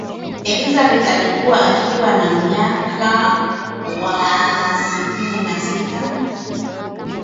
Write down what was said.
elizabeth alikufa akiwa na umri wa miaka sitini na tisa